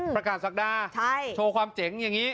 ประกาศศักดาโชว์ความเจ๋งอย่างนี้